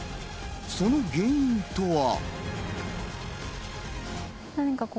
その原因とは。